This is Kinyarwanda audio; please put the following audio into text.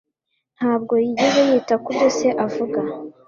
Ntabwo yigeze yita kubyo se avuga.